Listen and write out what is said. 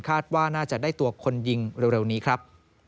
ว่าน่าจะได้ตัวคนยิงเร็วนี้ครับ